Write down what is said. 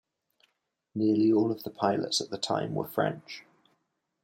Nearly all of the pilots at the time were French.